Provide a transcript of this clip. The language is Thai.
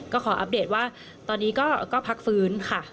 ก็ขออัปเดตว่าตอนนี้ก็พักฟื้นค่ะ